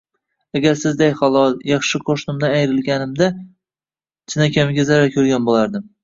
Agar sizday halol, yaxshi qoʻshnimdan ayrilganimda chinakamiga zarar koʻrgan boʻlardim…